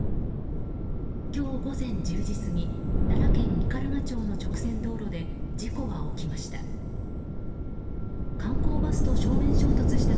今日午前１０時過ぎ奈良県斑鳩町の直線道路で事故は起きました。